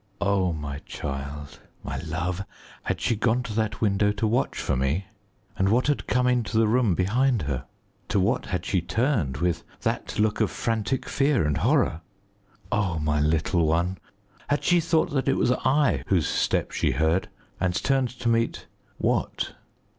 Oh, my child, my love, had she gone to that window to watch for me? And what had come into the room behind her? To what had she turned with that look of frantic fear and horror? Oh, my little one, had she thought that it was I whose step she heard, and turned to meet what?